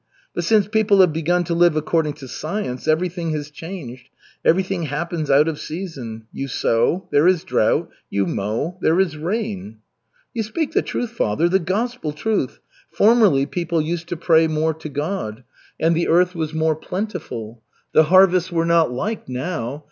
But since people have begun to live according to science, everything has changed, everything happens out of season. You sow there is drought; you mow there is rain." "You speak the truth, Father, the gospel truth. Formerly people used to pray more to God, and the earth was more plentiful. The harvests were not like now.